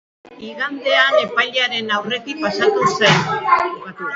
Igandean epailearen aurretik pasatu zen.